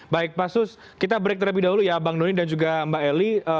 baik pak sus kita break terlebih dahulu ya bang doni dan juga mbak eli